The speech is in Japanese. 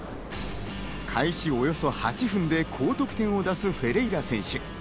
開始およそ８分で高得点を出すフェレイラ選手。